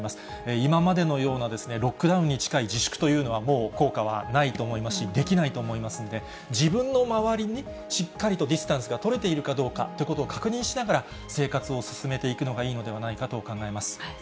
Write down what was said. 今までのようなロックダウンに近いような自粛というのはもう効果はないと思いますし、できないと思いますので、自分の周りに、しっかりとディスタンスが取れているかどうかということを確認しながら、生活を進めていくのがいいのではないかと考えます。